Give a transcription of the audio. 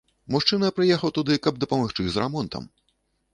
Мужчына прыехаў туды, каб дапамагчы з рамонтам.